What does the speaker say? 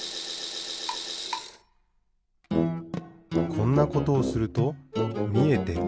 こんなことをするとみえてくる。